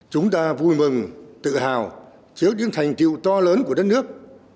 chúng ta vui mừng tự hào trước những thành tiệu to lớn của đất nước